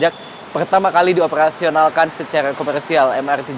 kita bisa melihat